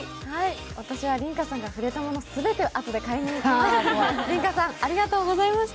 私は梨花さんが触れたもの全てあとで買います。